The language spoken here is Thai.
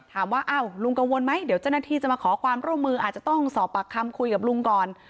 ถามว่าอ้าวลุงกังวลไหมเดี๋ยวเจ้าหน้าที่จะมาขอความร่วมมืออาจจะต้องสอบปากคำคุยกับลุงก่อน